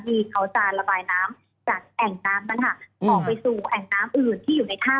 ที่เขาจะระบายน้ำจากแอ่งน้ำนั้นค่ะออกไปสู่แอ่งน้ำอื่นที่อยู่ในถ้ำ